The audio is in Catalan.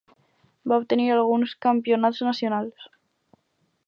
Va obtenir alguns campionats nacionals.